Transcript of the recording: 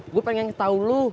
gue pengen tau lu